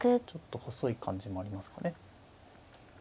ちょっと細い感じもありますかね。